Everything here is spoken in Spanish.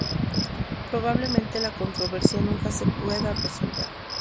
Probablemente la controversia nunca se pueda resolver.